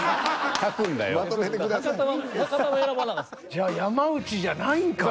じゃあ山内じゃないんかな？